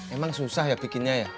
emang susah ya bikinnya ya